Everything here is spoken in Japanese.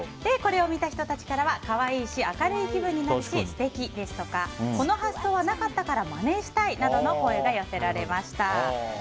これを見た人たちからは可愛いし明るい気分になるし素敵ですとかこの発想はなかったからまねしたいなどの声が寄せられました。